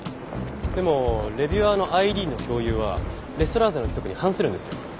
でもレビュアーのＩＤの共有はレストラーゼの規則に反するんですよ。